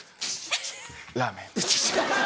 「ラーメン」。